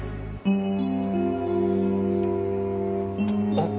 あっ！